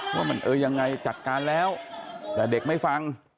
ว่ามันเออยังไงจัดการแล้วแต่เด็กไม่ฟัง